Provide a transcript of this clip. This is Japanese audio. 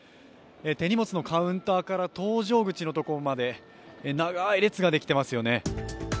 手荷物のカウンターから搭乗口のところまで長い列ができていますよね。